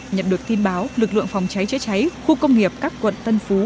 nhận được tin báo lực lượng phòng cháy chữa cháy khu công nghiệp các quận tân phú